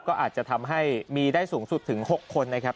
ก็อาจจะทำให้มีได้สูงสุดถึง๖คนนะครับ